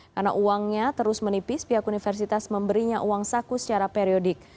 karena uangnya terus menipis pihak universitas memberinya uang saku secara periodik